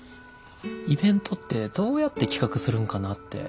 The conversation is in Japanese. イベントってどうやって企画するんかなって。